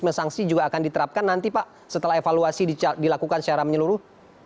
bagaimana sanksi juga akan diterapkan nanti pak setelah evaluasi dilakukan secara menyeluruh